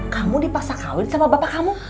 kamu dipaksa kawin sama bapak kamu